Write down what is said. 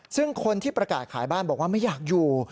ซึ่งคนที่ประกาศขายบ้านบอกว่าไม่อยากอยู่